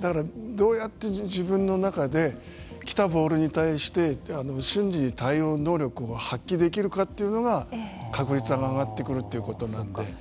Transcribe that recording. だから、どうやって自分の中で来たボールに対して瞬時に対応能力を発揮できるかというのが確率が上がってくるということなので。